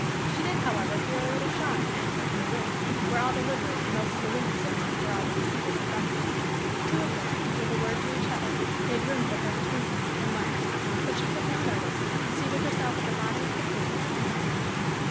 She did, however, feel a little shy on entering "the room," where all the livery and most of the women servants were already seated at breakfast. Two of the men, with a word to each other, made room for her between them, and laughed; but she took no notice, and seated herself at the bottom of the table with her companion.